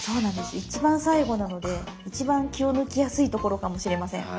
一番最後なので一番気を抜きやすいところかもしれません。